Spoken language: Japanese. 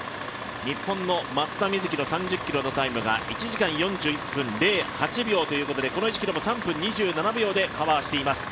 日本の松田瑞生の３０ｋｍのタイムが１時間４１分０８秒ということでこの１ｋｍも３分２７秒でカバーしています。